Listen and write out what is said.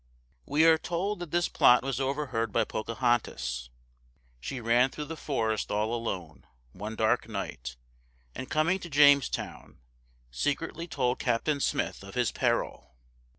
We are told that this plot was overheard by Pocahontas. She ran through the forest all alone, one dark night, and, coming to Jamestown, secretly told Captain Smith of his peril.